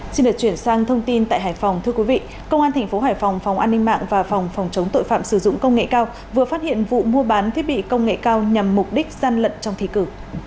xin được chuyển sang thông tin tại hải phòng thưa quý vị công an tp hải phòng phòng an ninh mạng và phòng phòng chống tội phạm sử dụng công nghệ cao vừa phát hiện vụ mua bán thiết bị công nghệ cao nhằm mục đích gian lận trong thi cử